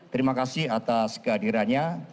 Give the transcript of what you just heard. terima kasih atas kehadirannya